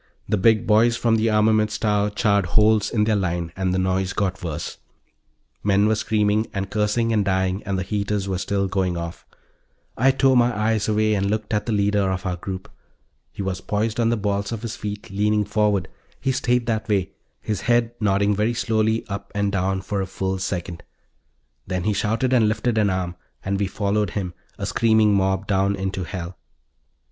The big boys from the armaments tower charred holes in their line, and the noise got worse; men were screaming and cursing and dying and the heaters were still going off. I tore my eyes away and looked at the leader of our group. He was poised on the balls of his feet, leaning forward; he stayed that way, his head nodding very slowly up and down, for a full second. Then he shouted and lifted an arm and we followed him, a screaming mob heading down into hell.